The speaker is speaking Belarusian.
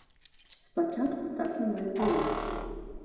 Спачатку так яно і было.